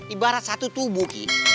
ibarat satu tubuh ki